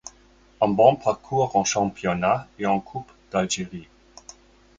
Un bon parcours en championnat et en Coupe d'Algérie.